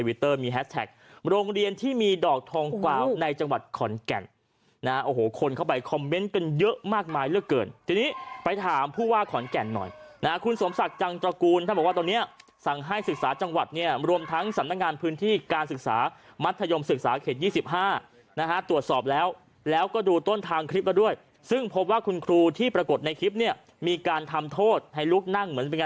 หวาขอนแก่นนะโอ้โหคนเข้าใบไลน์เข้มเมนต์เป็นเยอะมากมายเลยเกินนี้ไปถามผู้หวาขอนแก่นน้อยนาคหุ้นสมศักดิ์จังตรากูลไม่ว่าตอนนี้สั่งให้ศึกษาจังหวัดเนี่ยรวมลุมทั้งสนามงานพื้นที่การศึกษามรรยยมศึกษาเสีย๒๕นาฮะตรวจสอบแล้วแล้วก็ดูต้นทางคลิปก็ด้วยซึ่งพบว่าคุณครู